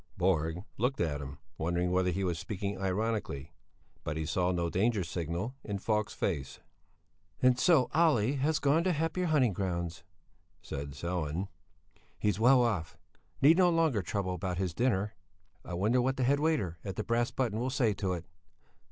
Borg looked at him, wondering whether he was speaking ironically, but he saw no danger signal in Falk's face. "And so Olle has gone to happier hunting grounds," said Sellén. "He's well off, need no longer trouble about his dinner. I wonder what the head waiter at the 'Brass Button' will say to it?